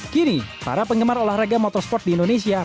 kini para penggemar olahraga motorsport di indonesia